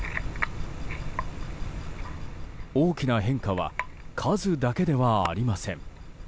大きな変化は数だけではありません。